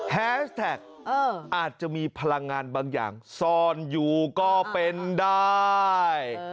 แฮสแท็กอาจจะมีพลังงานบางอย่างซ่อนอยู่ก็เป็นได้